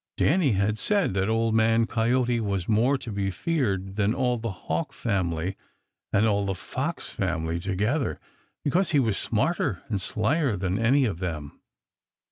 Danny had said that Old Man Coyote was more to be feared than all the Hawk family and all the Fox family together, because he was smarter and slyer than any of them.